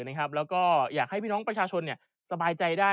แล้วก็อยากให้พี่น้องประชาชนสบายใจได้